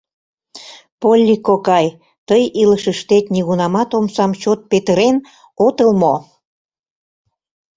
— Полли кокай, тый илышыштет нигунамат омсам чот петырен отыл мо?